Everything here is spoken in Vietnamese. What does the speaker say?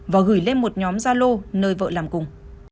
và gửi lên một nhóm gia lô nơi vợ làm cùng